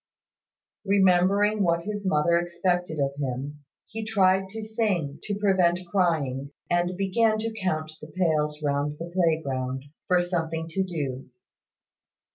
Remembering what his mother expected of him, he tried to sing, to prevent crying, and began to count the pales round the playground, for something to do.